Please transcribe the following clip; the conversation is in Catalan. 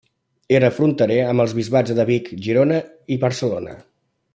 Era fronterer amb els bisbats de Vic, Girona i Barcelona.